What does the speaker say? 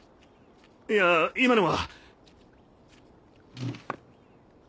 いや今のは。